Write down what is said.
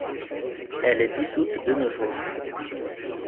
Elle est dissoute de nos jours.